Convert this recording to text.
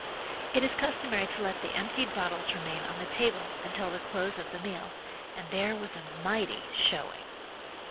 It is customary to let the emptied bottles remain on the table until the close of the meal, and there was a mighty showing.